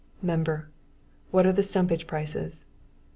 MEMBER: What are the stumpage prices?